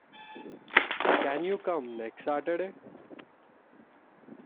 Can you come next Saturday?